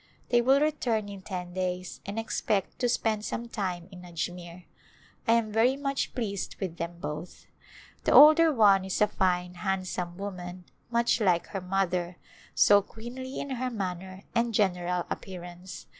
They will return in ten days and expect to spend some time in Ajmere. I am very much pleased with them both. The older one is a fine, handsome woman — much like her mother, so queenly in her manner and general appearance.